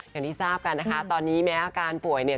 อย่างที่ทราบกันนะคะตอนนี้แม้อาการป่วยเนี่ย